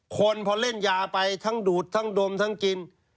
คนพอเล่นยาไปทั้งดูดทั้งดมทั้งกิน